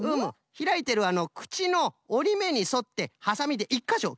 ひらいてるくちのおりめにそってはさみで１かしょきってごらん。